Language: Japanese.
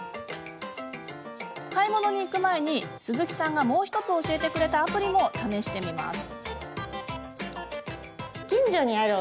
買い物に行く前に鈴木さんがもう１つ教えてくれたアプリも試してみます。